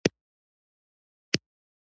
د دې درې مهم کلي حیدرخیل، لړم، حسن خیل.